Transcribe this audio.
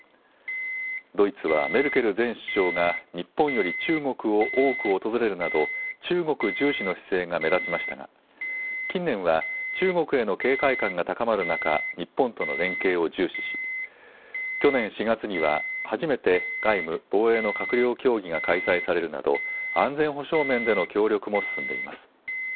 ドイツはメルケル前首相が日本より中国を多く訪れるなど中国重視の姿勢が目立ちましたが近年は中国への警戒感が高まる中、日本との連携を重視し去年４月には初めて外務・防衛の閣僚協議が開催されるなど安全保障面での協力も進んでいます。